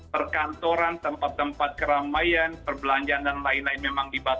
perkantoran tempat tempat keramaian perbelanjaan dan lain lain memang dibatasi